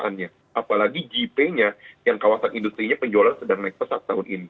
apalagi jip nya yang kawasan industri nya penjualan sedang naik pesat tahun ini